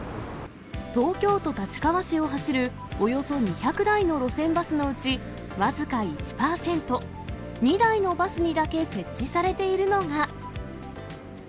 東京都立川市を走る、およそ２００台の路線バスのうち、僅か１％、２台のバスにだけ設置されているのが。